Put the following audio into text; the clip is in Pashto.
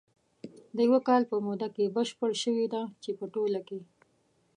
د یوه کال په موده کې بشپره شوې ده، چې په ټوله کې